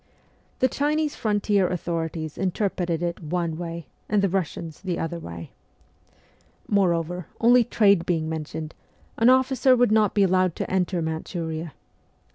The Chinese frontier authorities interpreted it one way, and the Russians the other way. Moreover, only trade being mentioned, an officer would not be allowed to enter Manchuria.